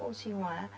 chống oxy hóa